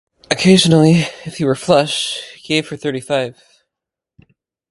Occasionally, if he were flush, he gave her thirty-five.